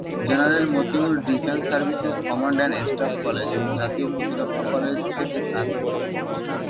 General Motiur Defence Services Command and Staff College এবং জাতীয় প্রতিরক্ষা কলেজ থেকে স্নাতক হন।